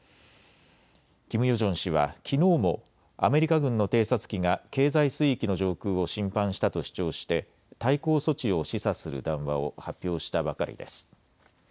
キム・ヨジョン氏はきのうもアメリカ軍の偵察機が経済水域の上空を侵犯したと主張して対抗措置を示唆する談話を発表したばかりです。